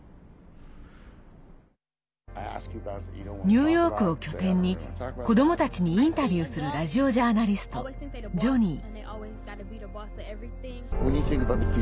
ニューヨークを拠点に子どもたちにインタビューするラジオジャーナリスト、ジョニー。